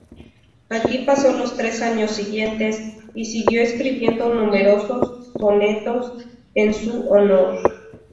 Aquí pasó los tres años siguientes, y siguió escribiendo numerosos sonetos en su honor.